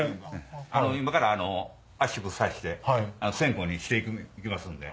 今から圧縮さして線香にしていきますんで。